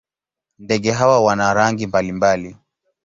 Ndege hawa wana rangi mbalimbali.